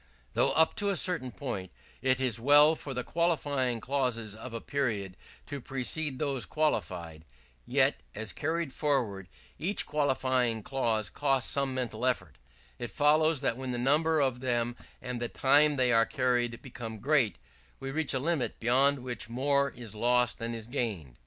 Though, up to a certain point, it is well for the qualifying clauses of a period to precede those qualified; yet, as carrying forward each qualifying clause costs some mental effort, it follows that when the number of them and the time they are carried become great, we reach a limit beyond which more is lost than is gained.